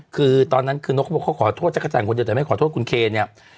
คือตอนนั้นคือนกเขาบอกเขาขอโทษจักรจันทร์คนเดียวแต่ไม่ขอโทษคุณเคเนี่ย